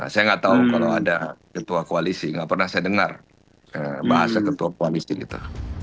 saya nggak tahu kalau ada ketua koalisi nggak pernah saya dengar bahasa ketua puan miskin itu